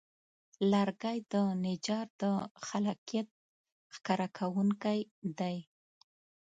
لرګی د نجار د خلاقیت ښکاره کوونکی دی.